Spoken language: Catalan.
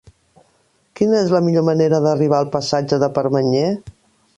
Quina és la millor manera d'arribar al passatge de Permanyer?